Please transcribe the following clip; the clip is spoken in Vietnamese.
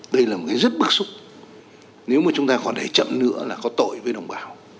đây là một cái rất bức xúc nếu mà chúng ta còn để chậm nữa là có tội với đồng bào